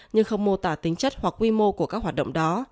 nhưng không mô tả tính chất hoặc quy mô của các hoạt động đó